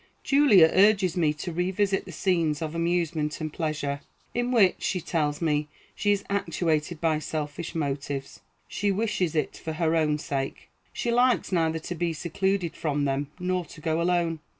Julia urges me to revisit the scenes of amusements and pleasure, in which, she tells me, she is actuated by selfish motives. She wishes it for her own sake. She likes neither to be secluded from them nor to go alone.